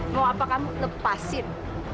mau apa kamu lepasin